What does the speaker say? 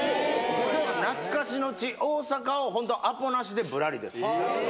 懐かしの地、大阪を本当、アポなしでぶらりです。